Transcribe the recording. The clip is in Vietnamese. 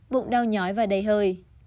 bụng đau nhói và đầy hơi